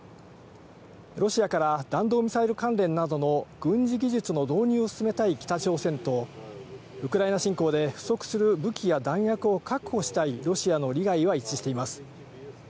ロシアから弾道ミサイル関連などの軍事技術の導入を進めたい北朝鮮と、ウクライナ侵攻で不足する武器や弾薬を確保したいロシアの利害は一致しています。